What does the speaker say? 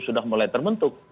sudah mulai terbentuk